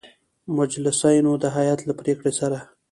مجلسینو د هیئت له پرېکړې سـره